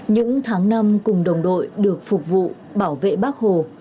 những tháng năm cùng đồng đội được phục vụ bảo vệ bác hồ